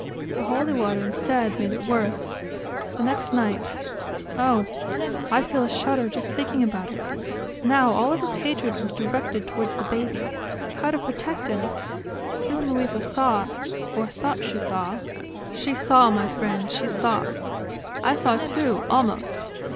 "The holy water, instead, made it worse. The next night ... Oh! ... I feel a shudder just thinking about it. Now all of his hatred was directed towards the baby ... How to protect him? ... Soon Luisa saw ..." "Or she thought she saw ..." "She saw, my friend, she saw ... I saw too, almost.